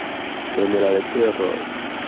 En la leteroj.